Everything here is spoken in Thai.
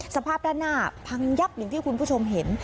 สภาพด้านหน้าพังยับอย่างที่คุณผู้ชมเห็น